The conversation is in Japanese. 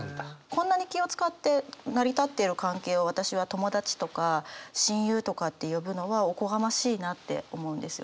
こんなに気を遣って成り立っている関係を私は友達とか親友とかって呼ぶのはおこがましいなって思うんですよね。